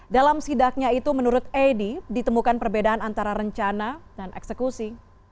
dalam sidaknya itu menurut edi ditemukan perbedaan antara rencana dan eksekusi